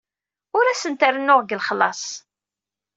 Ur asent-rennuɣ deg lexlaṣ.